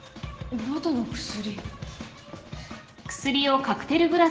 喉の薬？